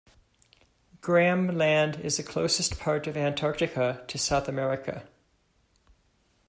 Graham Land is the closest part of Antarctica to South America.